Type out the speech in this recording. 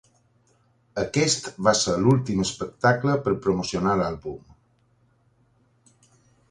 Aquest va ser l'últim espectacle per promocionar l'àlbum.